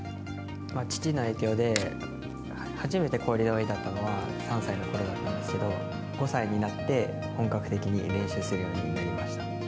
父の影響で、初めて氷の上に立ったのは、３歳のころだったんですけど、５歳になって本格的に練習するようになりました。